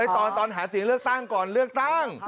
ตอนหาเสียงเลือกตั้งก่อนเลือกตั้ง